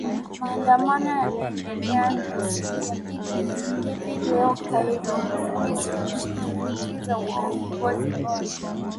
maandamano yameendelea kwa siku ya pili hivi leo cairo misri kushinikiza uongozi bora